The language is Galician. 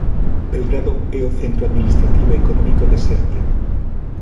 Belgrado é o centro administrativo e económico de Serbia.